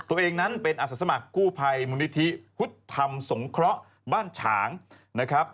ตัวเองนั้นเป็นอาสาสมัครกู้ภัยมูลนิธิพุทธธรรมสงเคราะห์บ้านฉางนะครับ